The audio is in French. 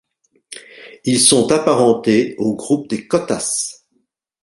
Ils sont apparentés au groupe des Kotas.